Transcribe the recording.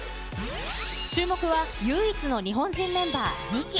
注目は、唯一の日本人メンバー、ＮＩーＫＩ。